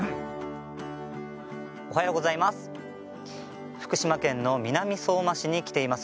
おはようございます。